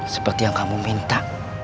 seperti yang kamu minta